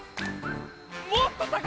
もっと高く！